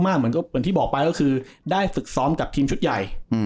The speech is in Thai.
เหมือนก็เหมือนที่บอกไปก็คือได้ฝึกซ้อมกับทีมชุดใหญ่